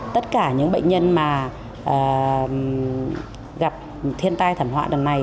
tất cả những bệnh nhân mà gặp thiên tai thẩm họa đằng này